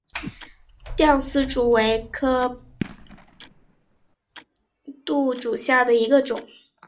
吊丝竹为禾本科牡竹属下的一个种。